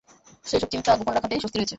সেসব চিন্তা গোপন রাখাতেই স্বস্তি রয়েছে।